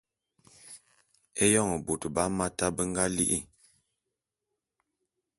Eyon bôt bé Hamata be nga li'i.